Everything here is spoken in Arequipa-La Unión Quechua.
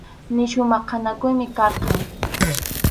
Nisyu maqanakuymi karqan.